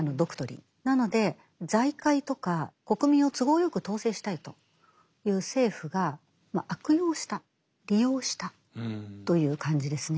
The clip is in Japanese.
なので財界とか国民を都合よく統制したいという政府が悪用した利用したという感じですね。